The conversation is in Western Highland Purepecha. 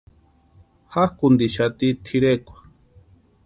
Jakʼuntixati tʼirekwa.